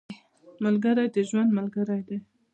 ملګری د ژوند ملګری دی